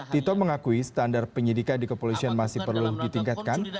tito mengakui standar penyidikan di kepolisian masih perlu ditingkatkan